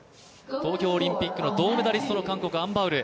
東京オリンピックの銅メダリストの韓国、アン・バウル。